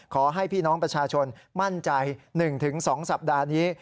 ขอให้พี่น้องประชาชนมั่นใจ๑๒สัปดาห์นี้